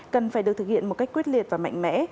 cần phải được thực hiện một cách quyết liệt và mạnh mẽ